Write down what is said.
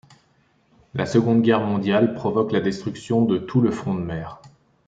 La Seconde Guerre mondiale provoque la destruction de tout le front de mer.